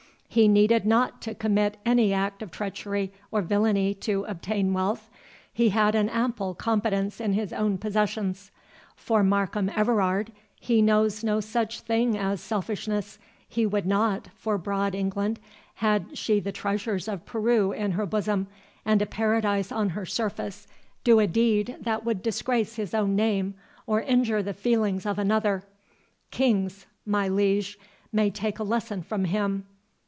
He needed not to commit any act of treachery or villany to obtain wealth— he had an ample competence in his own possessions. For Markham Everard— he knows no such thing as selfishness—he would not, for broad England, had she the treasures of Peru in her bosom, and a paradise on her surface, do a deed that would disgrace his own name, or injure the feelings of another—Kings, my liege, may take a lesson from him.